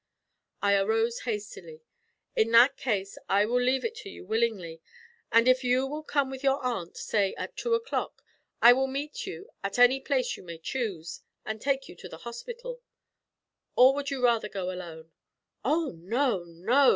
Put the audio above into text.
I arose hastily. 'In that case I will leave it to you willingly, and if you will come with your aunt, say at two o'clock, I will meet you at any place you may choose, and take you to the hospital; or would you rather go alone?' 'Oh, no, no!'